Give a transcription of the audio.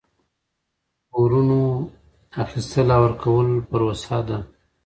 د پورونو اخیستل او ورکول پروسه ده.